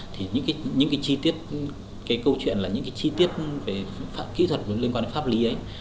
thì những cái chi tiết cái câu chuyện là những cái chi tiết về kỹ thuật liên quan đến pháp lý ấy